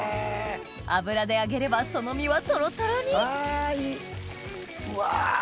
油で揚げればその実はトロトロにうわ